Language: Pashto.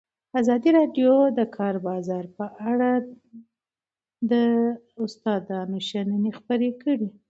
ازادي راډیو د د کار بازار په اړه د استادانو شننې خپرې کړي.